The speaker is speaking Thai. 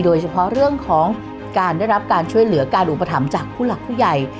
โดยเฉพาะเรื่องของการได้รับการช่วยเหลือการอุปถัมภ์จากผู้หลักผู้ใหญ่